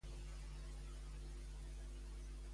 A quin premi va ser aspirant per La flor de mi secreto?